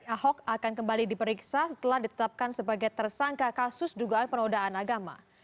ahok akan kembali diperiksa setelah ditetapkan sebagai tersangka kasus dugaan penodaan agama